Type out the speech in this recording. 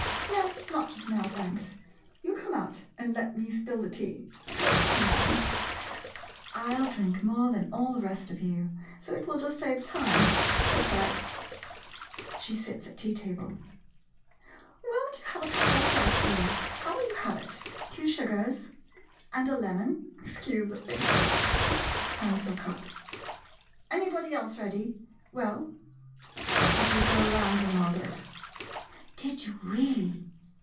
'] No, not just now, thanks. You come out and let me spill the tea. Oh, come on — I '11 drink more than all the rest of you — so it will just save time. That 's right. [She sits at tea table.] Won't you have a cup yourself, dear? How will you have it? Two sugars? And a lemon — 'scuse fingers. [Hands her cup.] Anybody else ready? Well, what did you go round in, Margaret? Did you really?